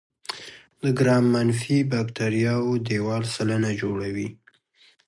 د ګرام منفي باکتریاوو دیوال سلنه جوړوي.